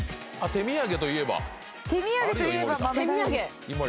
手土産といえば豆大福。